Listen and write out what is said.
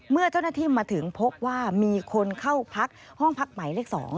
เมื่อเจ้าหน้าที่มาถึงพบว่ามีคนเข้าพักห้องพักหมายเลข๒